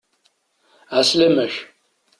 Ɛeslama-k!